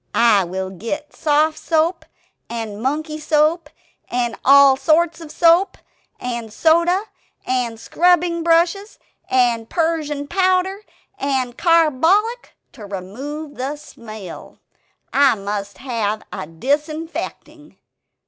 "I will get soft soap, and monkey soap, and all sorts of soap; and soda and scrubbing brushes; and persian powder; and carbolic to remove the smell. I must have a disinfecting.